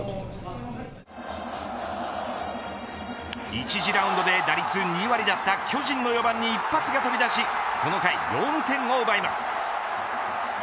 １次ラウンドで打率２割だった巨人の４番に一発が飛び出しこの回、４点を奪います。